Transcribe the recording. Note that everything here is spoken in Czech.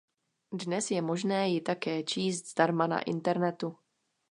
Dnes je možné ji také číst zdarma na Internetu.